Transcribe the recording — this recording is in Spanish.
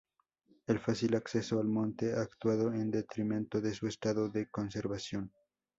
El fácil acceso al monte ha actuado en detrimento de su estado de conservación.